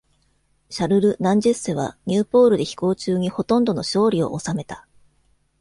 シャルル・ナンジェッセは、ニューポールで飛行中にほとんどの勝利を収めた。